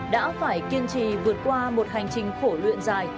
đã phải kiên trì vượt qua một hành trình khổ luyện dài